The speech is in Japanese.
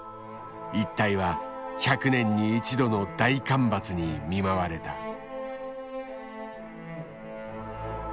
一帯は１００年に一度の大干ばつに見舞われた。